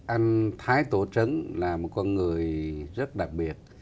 anh thái tổ trấn là một con người rất đặc biệt